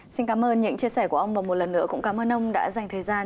xin cảm ơn những chia sẻ của ông và một lần nữa cũng cảm ơn ông đã dành thời gian